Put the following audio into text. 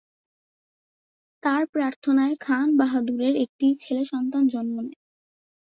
তার প্রার্থনায় খান বাহাদুরের একটি ছেলে সন্তান জন্ম নেয়।